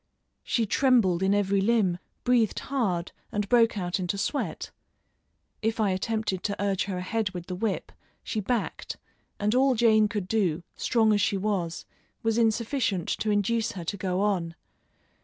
She trembled in every limb, breathed hard, and broke out into sweat. If I attempted to urge her ahead with the whip, she backed, and all Jane could do, strong as she was, was insufficient to induce her to go on.